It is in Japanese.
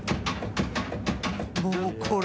もうこれ。